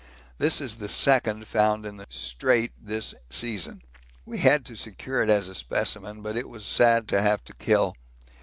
This is the second found in the Strait this season. We had to secure it as a specimen, but it was sad to have to kill.